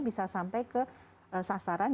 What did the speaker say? bisa sampai ke sasaran